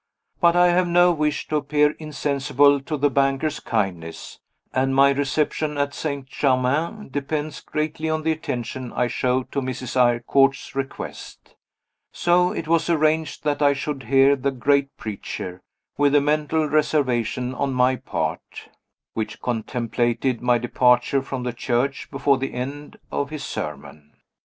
But I have no wish to appear insensible to the banker's kindness, and my reception at St. Germain depends greatly on the attention I show to Mrs. Eyrecourt's request. So it was arranged that I should hear the great preacher with a mental reservation on my part, which contemplated my departure from the church before the end of his sermon.